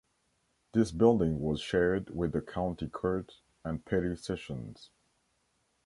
This building was shared with the county court and petty sessions.